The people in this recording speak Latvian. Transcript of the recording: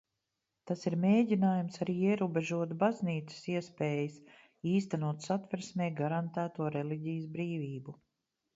Tas ir mēģinājums arī ierobežot baznīcas iespējas īstenot Satversmē garantēto reliģijas brīvību.